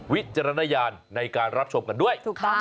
วิจารณญาณในการรับชมกันด้วย